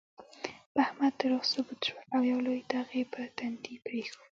په احمد دروغ ثبوت شول، او یو لوی داغ یې په تندي پرېښود.